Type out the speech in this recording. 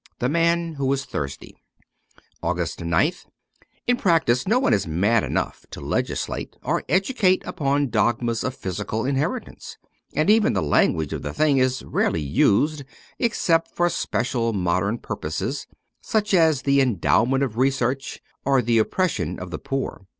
' The Man who was Thursday.' 246 AUGUST 9th IN practice no one is mad enough to legislate or educate upon dogmas of physical inheritance ; and even the language of the thing is rarely used except for special modern purposes — such as the endowment of research or the oppression of the poor.